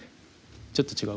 ちょっと違う？